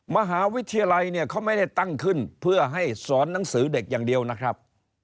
มหาวิทยาลัยเนี่ยเขาไม่ได้ตั้งขึ้นเพื่อให้สอนหนังสือเด็กอย่างเดียวนะครับ